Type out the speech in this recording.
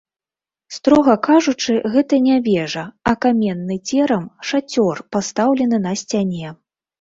Строга кажучы, гэта не вежа, а каменны церам, шацёр, пастаўлены на сцяне.